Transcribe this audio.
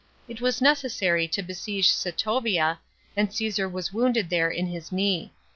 It was necessary to besiege Setovia, and Caesar was wounded there in his knee.